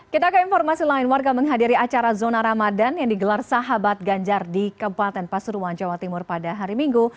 kita ke informasi lain warga menghadiri acara zona ramadan yang digelar sahabat ganjar di kabupaten pasuruan jawa timur pada hari minggu